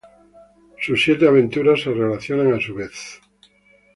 Sus siete aventuras se relacionan a su vez.